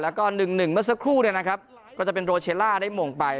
แล้วก็หนึ่งเมื่อสักครู่เนี่ยนะครับก็จะเป็นโรเชลล่าในโหม่งไป